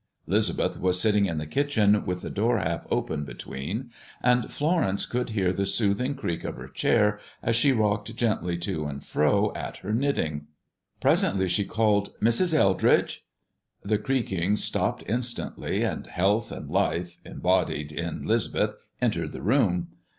'Lisbeth was sitting in the kitchen, with the door half open between, and Florence could hear the soothing creak of her chair as she rocked gently to and fro at her knitting. Presently she called, "Mrs. Eldridge!" The creaking stopped instantly, and health and life, embodied in 'Lisbeth, entered the room.